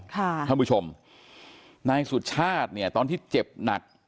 ท่านผู้ชมนายสุชาติเนี่ยตอนที่เจ็บหนัก